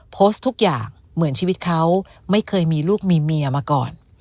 โพสต์ทุกอย่างเหมือนชีวิตเขาไม่เคยมีลูกมีเมียมาก่อน